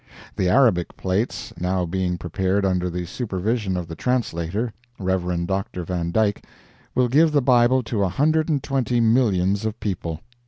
The Arabic plates now being prepared under the supervision of the translator, Rev. Dr. Van Dyck, will give the Bible to a hundred and twenty millions of people!